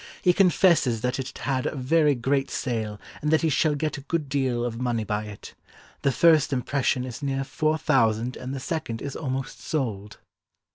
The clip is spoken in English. He confesses that it had had a very great sale and that he shall get a good deal of money by it. The first impression is near four thousand and the second is almost sold."